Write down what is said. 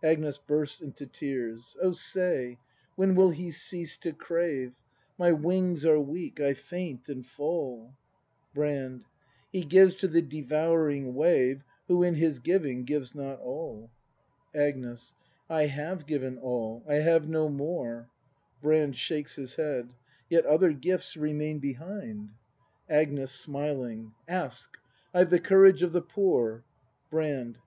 Agnes. [Bursts into tears.] Oh, say, when will He cease to crave ? My wings are weak — I faint and fall Brand, He gives to the devouring wave Who in his giving gives not all. Agnes. I have given all ; I have no more ! Brand. [SJiaJces his head.] Yet other gifts remain behind. ACT IV] BRAND 195 Agnes. [Smiling.] Ask: I've the courage of the poor! Brand.